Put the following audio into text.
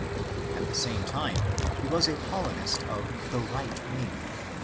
At the same time, he was a Paulinist of the right wing.